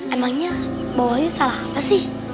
emangnya mbak wayu salah apa sih